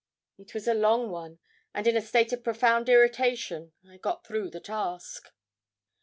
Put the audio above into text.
It was a long one, and in a state of profound irritation I got through the task.